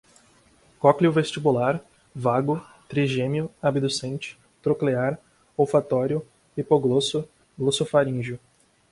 cócleo-vestibular, vago, trigêmeo, abducente, troclear, olfatório, hipoglosso, glossofaríngeo